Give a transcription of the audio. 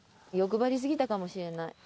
欲張り過ぎたかもしれない。